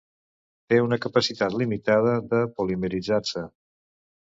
Té una capacitat limitada de polimeritzar-se.